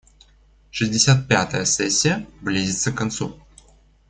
Шестьдесят пятая сессия близится к концу.